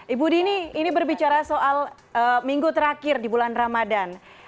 ibu dini ini berbicara soal minggu terakhir di bulan ramadan